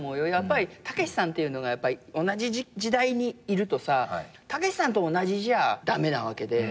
たけしさんっていうのが同じ時代にいるとたけしさんと同じじゃ駄目なわけで。